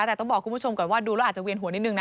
แต่ต้องบอกคุณผู้ชมก่อนว่าดูแล้วอาจจะเวียนหัวนิดนึงนะ